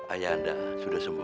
ayah anda sudah sembuh